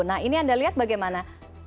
nah ini anda lihat bagaimana